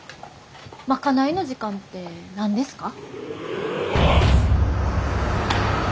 賄いの時間って何ですか？